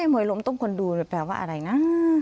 มวยล้มต้มคนดูแปลว่าอะไรนะ